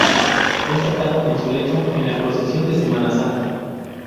Es sacado, en su lecho, en la procesión de Semana Santa.